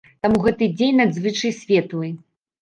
Таму гэты дзень надзвычай светлы.